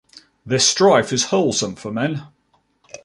This Strife is wholesome for men.